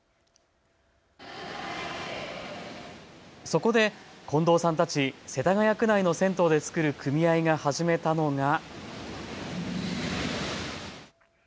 そこで近藤さんたち世田谷区内の銭湯で作る組合が始めたのが。